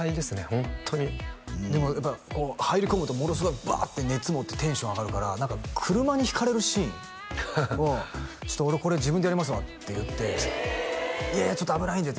ホントにでもやっぱりこう入り込むとものすごいバーッて熱もってテンション上がるから車にひかれるシーンを「ちょっと俺これ自分でやりますわ」って言って「いやいやちょっと危ないんで」